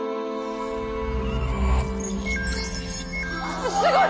すっすごい！